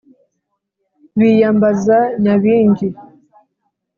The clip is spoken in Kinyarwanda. biyambaza nyabingi